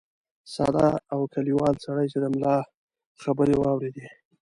ساده او کلیوال سړي چې د ملا خبرې واورېدې.